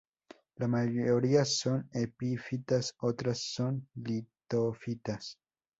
La mayoría son epífitas, otras son litófitas.